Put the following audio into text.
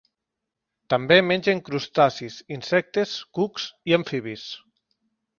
També mengen crustacis, insectes, cucs i amfibis.